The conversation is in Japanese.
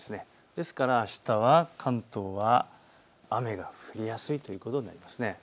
ですからあしたは関東は雨が降りやすいということになります。